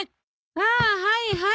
ああはいはい。